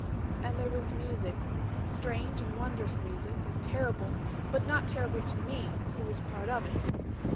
"And there was music strange and wondrous music and terrible, but not terrible to me who was part of it.